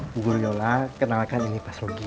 bu guryola kenalkan ini pak srogi